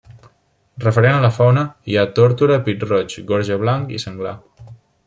Referent a la fauna, hi ha tórtora, pit-roig, gorja blanc i senglar.